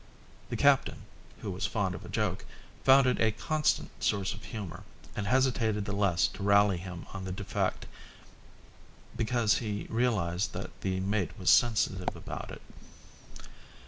The captain, who was fond of a joke, found in it a constant source of humour and hesitated the less to rally him on the defect because he realised that the mate was sensitive about it.